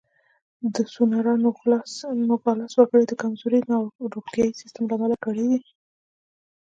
د سونورا نوګالس وګړي د کمزوري روغتیايي سیستم له امله کړېږي.